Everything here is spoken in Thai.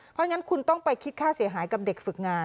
เพราะฉะนั้นคุณต้องไปคิดค่าเสียหายกับเด็กฝึกงาน